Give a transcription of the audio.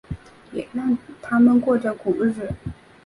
让他们过着苦日子